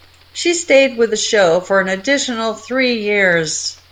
She stayed with the show for an additional three years.